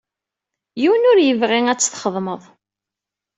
Yiwen ur ibɣi ad t-txedmeḍ.